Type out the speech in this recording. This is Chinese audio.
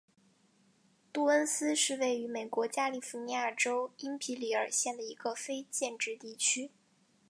杜恩斯是位于美国加利福尼亚州因皮里尔县的一个非建制地区。